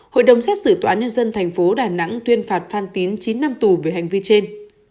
hội đồng xét xử tòa nhân dân thành phố đà nẵng tuyên phạt phan tín chín năm tù về hành vi trên